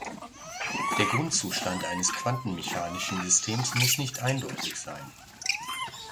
Der Grundzustand eines quantenmechanischen Systems muss nicht eindeutig sein.